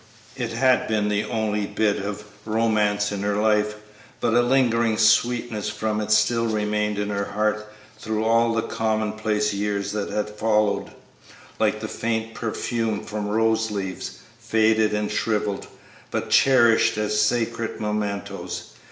It had been the only bit of romance in her life, but a lingering sweetness from it still remained in her heart through all the commonplace years that had followed, like the faint perfume from rose leaves, faded and shrivelled, but cherished as sacred mementos.